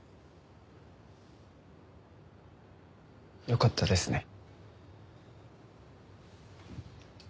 よかったですね。